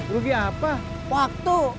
rugi apa waktu